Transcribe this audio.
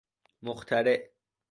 مخترع